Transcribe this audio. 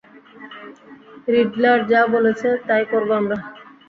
Riddler যা বলেছে, তাই করব আমরা।